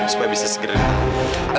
supaya bisa segera datang